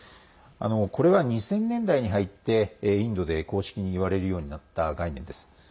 これは２０００年代に入ってインドで公式に言われるようになった概念です。